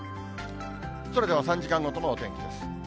それでは３時間ごとのお天気です。